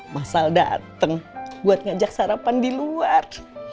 masal datang buat ngajak sarapan di luar